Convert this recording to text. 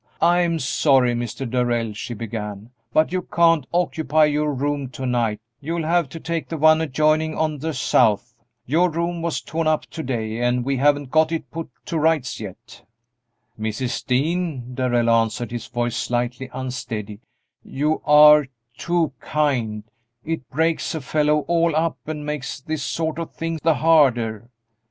"I'm sorry, Mr. Darrell," she began, "but you can't occupy your room to night; you'll have to take the one adjoining on the south. Your room was torn up to day, and we haven't got it put to rights yet." "Mrs. Dean," Darrell answered, his voice slightly unsteady, "you are too kind; it breaks a fellow all up and makes this sort of thing the harder!"